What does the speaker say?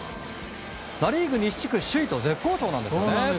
ナ・リーグ西地区首位と絶好調なんですよね。